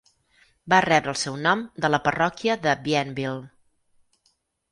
Va rebre el seu nom de la parròquia de Bienville.